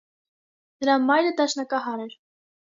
Նրա մայրը դաշնակահար էր։